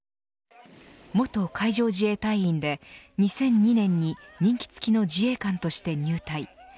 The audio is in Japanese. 元海上自衛隊員で、２００２年に任期つきの自衛官として入隊。